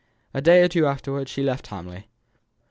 A day or two afterwards she left Hamley.